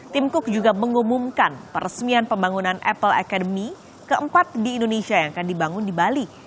tim cook juga mengumumkan peresmian pembangunan apple academy keempat di indonesia yang akan dibangun di bali